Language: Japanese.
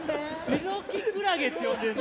白キクラゲって呼んでるの？